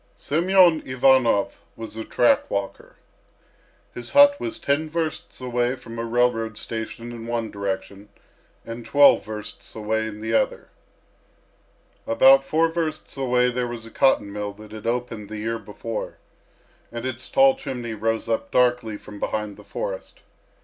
Semyon Ivanov was a track walker. His hut was ten versts away from a railroad station in one direction and twelve versts away in the other. About four versts away there was a cotton mill that had opened the year before, and its tall chimney rose up darkly from behind the forest.